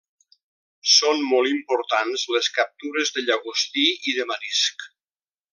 Són molt importants les captures de llagostí i de marisc.